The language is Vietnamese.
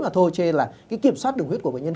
mà thôi chê là cái kiểm soát đường huyết của bệnh nhân